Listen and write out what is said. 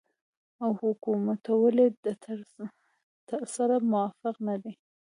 او حکومتولۍ د طرز سره موافق نه دي